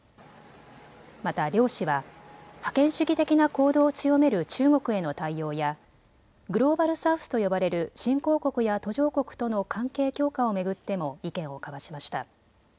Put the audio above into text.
また両氏は覇権主義的な行動を強める中国への対応やグローバル・サウスと呼ばれる新興国や途上国との関係強化を巡っても意見を交わしました。